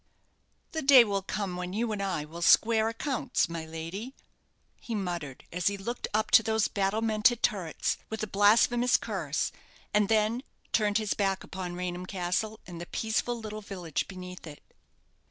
"The day will come when you and I will square accounts, my lady," he muttered, as he looked up to those battlemented turrets, with a blasphemous curse, and then turned his back upon Raynham Castle, and the peaceful little village beneath it.